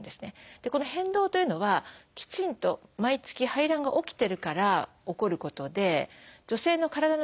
この変動というのはきちんと毎月排卵が起きてるから起こることで女性の体の仕組みとしては正常なんですね。